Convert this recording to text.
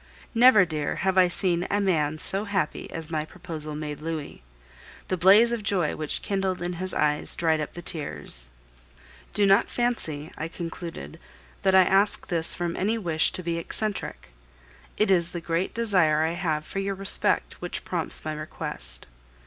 Never, dear, have I seen a man so happy as my proposal made Louis. The blaze of joy which kindled in his eyes dried up the tears. "Do not fancy," I concluded, "that I ask this from any wish to be eccentric. It is the great desire I have for your respect which prompts my request.